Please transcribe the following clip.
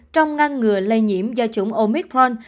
trong ngăn ngừa lây nhiễm do chủng omicron